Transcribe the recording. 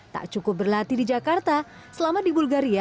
tak cukup berlatih di jakarta selama di bulgaria